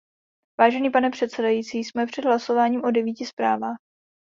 Vážený pane předsedající, jsme před hlasováním o devíti zprávách.